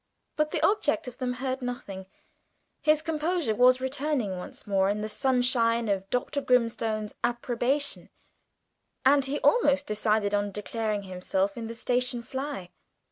But the object of them heard nothing; his composure was returning once more in the sunshine of Dr. Grimstone's approbation, and he almost decided on declaring himself in the station fly.